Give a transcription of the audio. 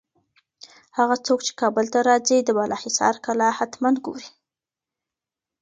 هغه څوک چي کابل ته راځي، د بالاحصار کلا حتماً ګوري.